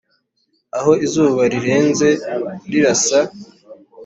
aho izuba rirenze rirasa.